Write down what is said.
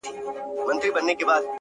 هغه خو زما کره په شپه راغلې نه ده ـ